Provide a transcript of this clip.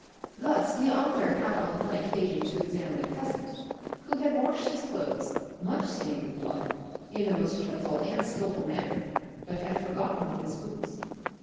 Thus the author had on one occasion to examine a peasant, who had washed his clothes, much stained with blood, in the most careful and skilful manner, but had forgetton his boots.